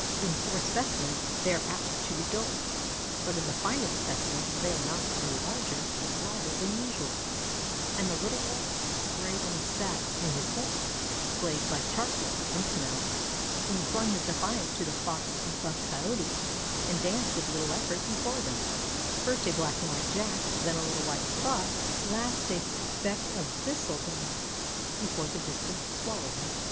In poor specimens they are apt to be dull, but in the finest specimens they are not only larger, but brighter than usual, and the Little Warhorse, gray when he sat in his form, blazed like charcoal and snow, when he flung his defiance to the Fox and buff Coyote, and danced with little effort before them, first a black and white Jack, then a little white spot, and last a speck of thistledown, before the distance swallowed him.